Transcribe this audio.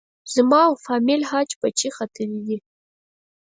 زما او فامیل حج پچې ختلې دي.